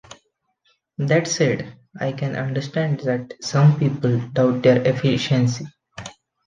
That said, I can understand that some people doubt their efficiency.